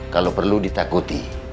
kalau perlu ditakuti